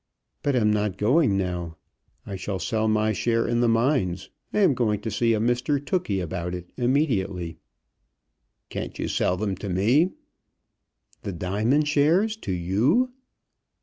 "But I'm not going now. I shall sell my share in the mines. I am going to see a Mr Tookey about it immediately." "Can't you sell them to me?" "The diamond shares, to you!"